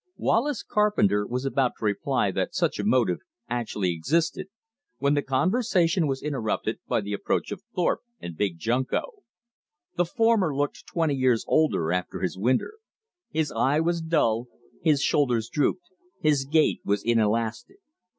Wallace Carpenter was about to reply that such a motive actually existed, when the conversation was interrupted by the approach of Thorpe and Big Junko. The former looked twenty years older after his winter. His eye was dull, his shoulders drooped, his gait was inelastic.